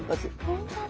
本当だ。